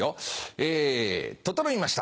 え整いました！